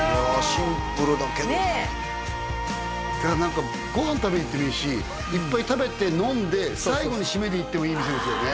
シンプルだけど何かご飯食べに行ってもいいしいっぱい食べて飲んで最後に締めで行ってもいい店ですよね